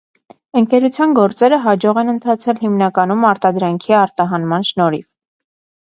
Ընկերության գործերը հաջող են ընթացել հիմնականում արտադրանքի արտահանման շնորհիվ։